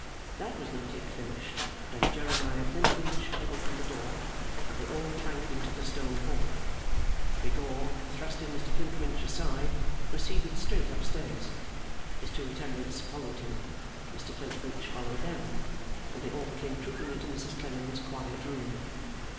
That was not yet finished when Jeremiah Flintwinch opened the door, and they all clanked into the stone hall. Rigaud, thrusting Mr Flintwinch aside, proceeded straight up stairs. His two attendants followed him, Mr Flintwinch followed them, and they all came trooping into Mrs Clennam's quiet room.